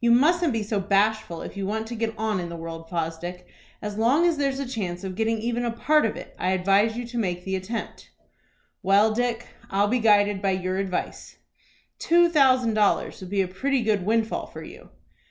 "You mustn't be so bashful if you want to get on in the world, Fosdick. As long as there's a chance of getting even a part of it, I advise you to make the attempt." "Well, Dick, I'll be guided by your advice." "Two thousand dollars would be a pretty good windfall for you."